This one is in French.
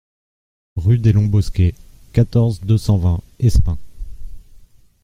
Rue des Longs Bosquets, quatorze, deux cent vingt Espins